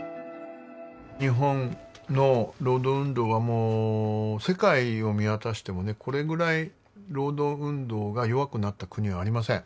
日本の労働運動はもう世界を見渡してもねこれぐらい労働運動が弱くなった国はありません。